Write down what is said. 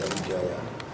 dari krian jawa timur